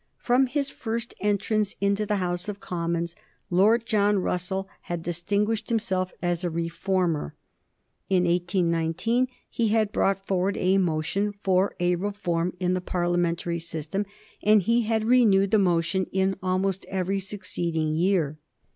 From his first entrance into the House of Commons Lord John Russell had distinguished himself as a reformer. In 1819 he had brought forward a motion for a reform in the Parliamentary system, and he had renewed the motion in almost every succeeding year.